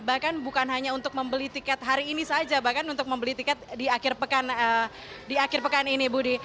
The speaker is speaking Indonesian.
bahkan bukan hanya untuk membeli tiket hari ini saja bahkan untuk membeli tiket di akhir pekan ini budi